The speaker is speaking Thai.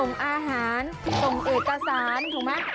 ส่งอาหารส่งเอกสารถูกไหม